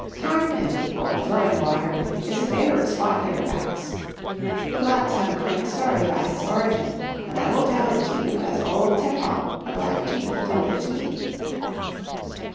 Tarnpin, or Flowing Water, is a favourite spot hereabouts. The Blacks have a quaint story about its origin, and I will tell it to you as old Tepal, a black chief, told it to me.